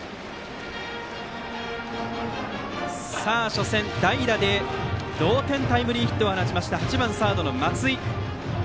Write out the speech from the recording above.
初戦代打で同点タイムリーヒットを放った８番サードの松井。